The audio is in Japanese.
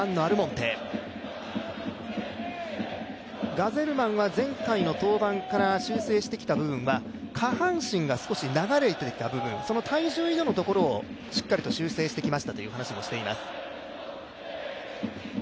ガゼルマンは前回の登板から、修正してきた部分は下半身が少し流れていた部分、体重移動のところをしっかりと修正してきましたという話もしています。